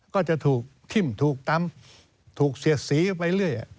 ก็จะถูกทิ่มถูกตำถูกเสียดสีไปเรื่อย